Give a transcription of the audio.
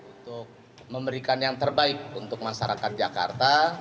untuk memberikan yang terbaik untuk masyarakat jakarta